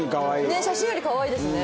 ねえ写真よりかわいいですね。